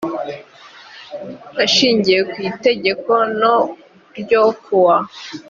ashingiye ku itegeko no ryo kuwa